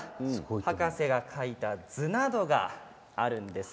博士が描いた図などがあります。